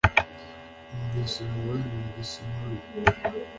Numvise impuhwe numvise inkuru ye